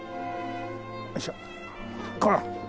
よいしょっこら！